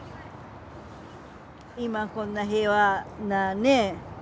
今こんな平和なね。